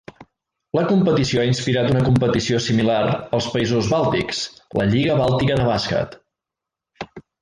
La competició ha inspirat una competició similar als països bàltics, la Lliga Bàltica de bàsquet.